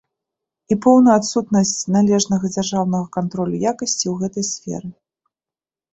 І поўную адсутнасць належнага дзяржаўнага кантролю якасці ў гэтай сферы.